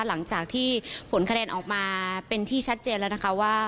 หลังจากที่ผลคะแนนออกมาเป็นที่ชัดเจนแล้วนะคะว่า